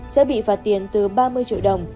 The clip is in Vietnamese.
sẽ bị phạt tiền từ ba mươi triệu đồng